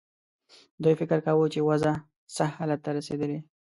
دوی فکر کاوه چې وضع سخت حالت ته رسېدلې.